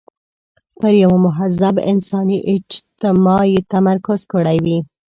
پر یوه مهذب انساني اجتماع یې تمرکز وي.